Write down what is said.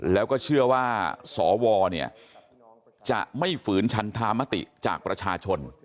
แล้วก็เชื่อว่าสวจะไม่ฝืนชันธามติจากประชาชน